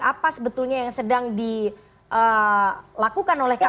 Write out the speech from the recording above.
apa sebetulnya yang sedang dilakukan oleh kpk